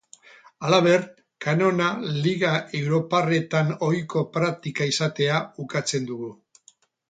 Halaber, kanona liga europarretan ohiko praktika izatea ukatzen dugu.